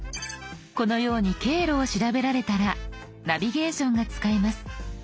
このように経路を調べられたらナビゲーションが使えます。